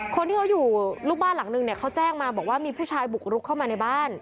คนที่เขาอยู่ลูกบ้านหลังนึงเนี่ยเขาแจ้งมาบอกว่ามีผู้ชายบุกรุกเข้ามาในบ้าน